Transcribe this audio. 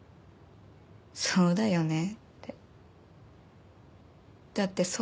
そうだよねって。